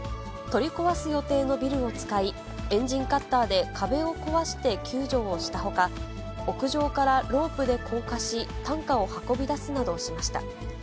取り壊す予定のビルを使い、エンジンカッターで壁を壊して救助をしたほか、屋上からロープで降下し、担架を運び出すなどしました。